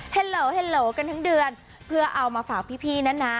โหลเฮลโหลกันทั้งเดือนเพื่อเอามาฝากพี่นะนะ